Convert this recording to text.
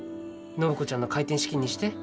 暢子ちゃんの開店資金にして。